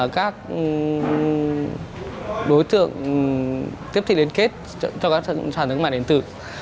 các đối tượng tiếp tục liên kết cho các sản thương mại điện tử